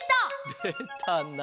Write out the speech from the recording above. でたな。